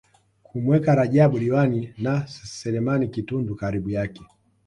kumweka Rajab Diwani na Selemani Kitundu karibu yake